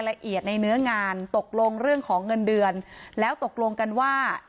เพราะไม่มีเงินไปกินหรูอยู่สบายแบบสร้างภาพ